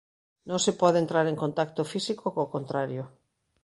Non se pode entrar en contacto físico co contrario.